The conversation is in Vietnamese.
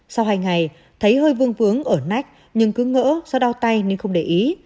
sau hai ngày thấy hơi vương ở nách nhưng cứ ngỡ do đau tay nên không để ý